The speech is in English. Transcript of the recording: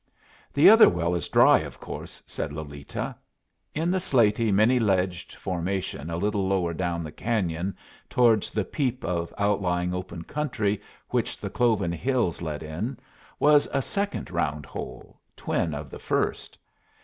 "The other well is dry, of course," said Lolita. In the slaty, many ledged formation a little lower down the cañon, towards the peep of outlying open country which the cloven hills let in, was a second round hole, twin of the first.